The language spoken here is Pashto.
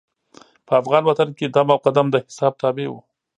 په افغان وطن کې دم او قدم د حساب تابع وو.